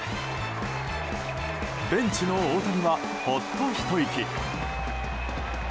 ベンチの大谷は、ほっとひと息。